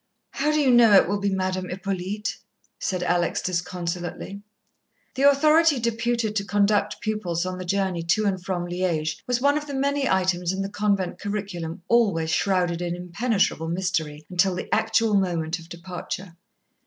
"How do you know it will be Madame Hippolyte?" said Alex disconsolately. The authority deputed to conduct pupils on the journey to and from Liège was one of the many items in the convent curriculum always shrouded in impenetrable mystery until the actual moment of departure.